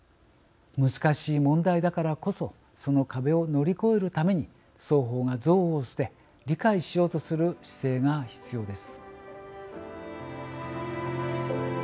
難しい問題だからこそその壁を乗り越えるために双方が憎悪を捨て理解しようとする姿勢が必要です。